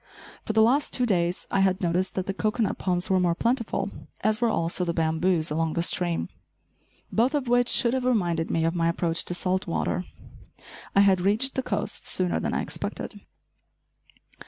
For the last two days I had noticed that the cocoanut palms were more plentiful, as were also the bamboos along the stream, both of which should have reminded me of my approach to salt water. I had reached the coast sooner than I expected.